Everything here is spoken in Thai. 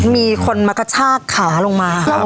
มีคนมากระชากขาลงมา